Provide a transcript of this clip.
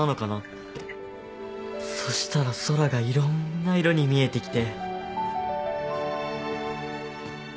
そしたら空がいろんな色に見えてきて。